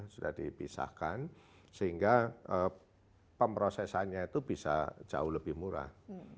sudah dipisahkan sehingga pemrosesannya itu bisa jauh lebih murah